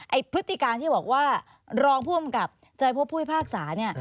พฤติการที่บอกว่ารองผู้กำกับจะพบผู้พิพากษาเนี่ย